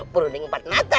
berunding empat mata